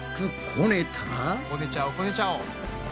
こねちゃおうこねちゃおう。